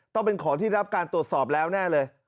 ต้องเป็นของที่รับการตรวจสอบแล้วแน่เลย